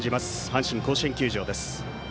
阪神甲子園球場です。